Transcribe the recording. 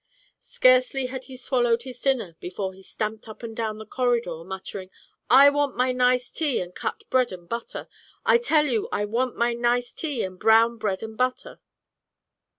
Scarcely had he swallowed his dinner before he stamped up and down the corridor muttering, "I want my nice tea and cut bread and butter. I tell you I want my nice tea and brown bread and butter."